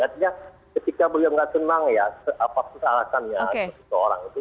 artinya ketika beliau gak senang ya apa persalahannya seseorang itu